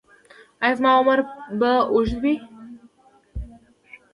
ایا زما عمر به اوږد وي؟